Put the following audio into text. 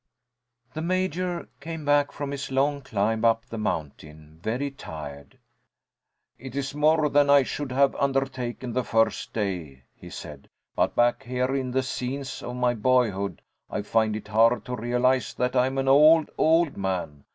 The Major came back from his long climb up the mountain, very tired. "It is more than I should have undertaken the first day," he said, "but back here in the scenes of my boyhood I find it hard to realise that I am an old, old man.